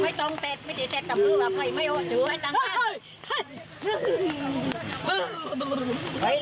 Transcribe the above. ไม่ต้องเต็ดไม่ต้องเต็ดกับผู้ไม่เอาจื้อไอ้จังกัน